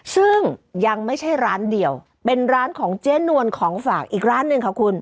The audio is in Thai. ซึ่งยังไม่ใช่ร้านเดียวเป็นร้านของเจ๊นวลของฝากอีกร้านหนึ่งค่ะคุณ